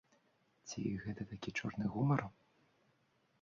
Ці гэта такі чорны гумар?